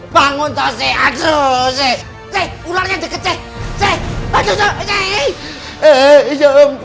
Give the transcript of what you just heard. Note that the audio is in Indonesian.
bangun tau seh aduh seh